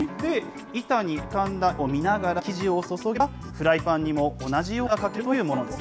板に浮かんだ絵を見ながら、生地を注げば、フライパンにも同じような絵が描けるというものです。